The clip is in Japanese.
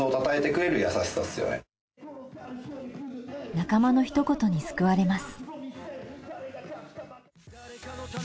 仲間のひと言に救われます。